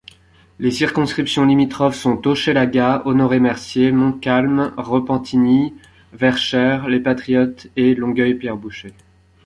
Les circonscriptions limitrophes sont Hochelaga, Honoré-Mercier, Montcalm, Repentigny, Verchères—Les Patriotes et Longueuil—Pierre-Boucher.